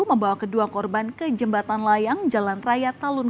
membawa kedua korban ke jembatan layang jalan raya talun